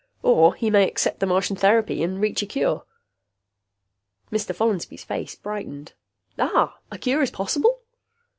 Or he may accept the Martian therapy and reach a cure." Mr. Follansby's face brightened. "Ah! A cure is possible!"